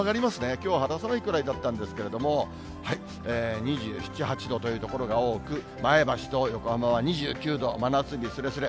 きょうは肌寒いくらいだったんですけど、２７、８度という所が多く、前橋と横浜は２９度、真夏日すれすれ。